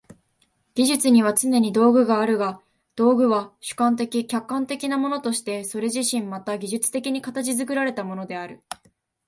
技術にはつねに道具があるが、道具は主観的・客観的なものとしてそれ自身また技術的に形作られたものである。